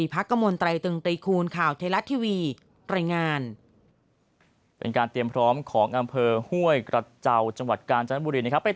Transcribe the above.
เป็นการเตรียมพร้อมของอำเภอห้วยกระเจ้าจังหวัดกาญจนบุรีนะครับ